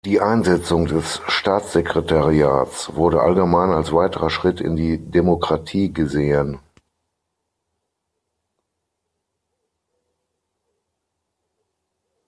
Die Einsetzung des Staatssekretariats wurde allgemein als weiterer Schritt in die Demokratie gesehen.